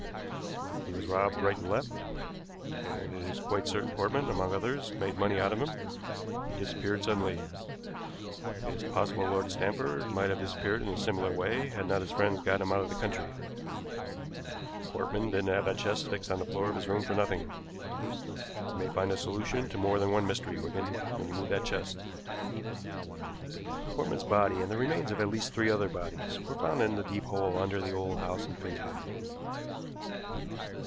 He was robbed right and left, and it is quite certain Portman, among others, made money out of him. He disappeared suddenly. It is possible Lord Stanford might have disappeared in a similar way had not his friends got him out of the country. Portman didn't have that chest fixed to the floor of his room for nothing. You may find the solution to more than one mystery, Wigan, when you move that chest." Portman's body and the remains of at least three other bodies were found in the deep hole under the old house in Finsbury.